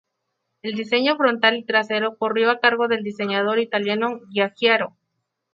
El diseño frontal y trasero corrió a cargo del diseñador italiano Giugiaro.